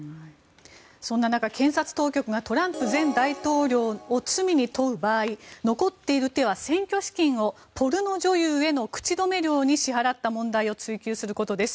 そんな中、検察当局がトランプ前大統領を罪に問う場合残っている手は選挙資金をポルノ女優への口止め料に支払った問題を追及することです。